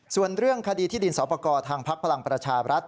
ส่วนเรื่องคดีที่ดินสอบประกอบทางพักพลังประชาบรัฐ